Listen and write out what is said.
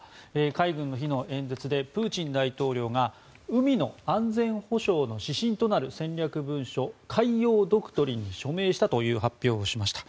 海軍の日の演説でプーチン大統領が海の安全保障の指針となる戦略文書、海洋ドクトリンに署名したという発表をしました。